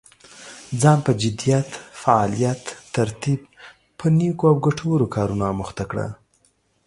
ځان په جديت، فعاليتا، ترتيب په نيکو او ګټورو کارونو اموخته کړه.